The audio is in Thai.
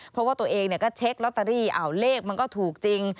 เพราะว่าตัวเองก็เช็คลอตเตอรี่เลขมันก็ถูกจริง